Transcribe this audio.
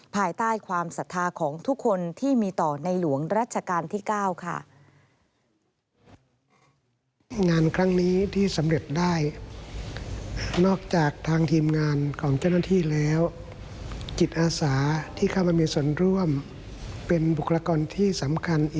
ภายใต้ความศรัทธาของทุกคนที่มีต่อในหลวงรัชกาลที่๙ค่ะ